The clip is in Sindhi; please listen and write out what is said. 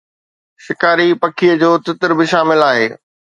شڪاري پکيءَ جو تتر به شامل آهي